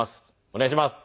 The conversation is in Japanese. お願いします。